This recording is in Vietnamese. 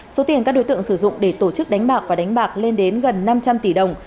số tiền các đối tượng sử dụng để tổ chức đánh bạc và đánh bạc lên đến gần năm trăm linh tỷ đồng